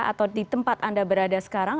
atau di tempat anda berada sekarang